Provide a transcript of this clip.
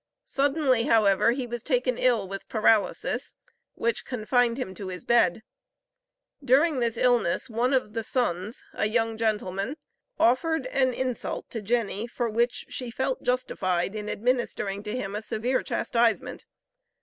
Suddenly, however, he was taken ill with paralysis, which confined him to his bed. During this illness one of the sons, a young gentleman, offered an insult to Jenny, for which she felt justified in administering to him, a severe chastisement.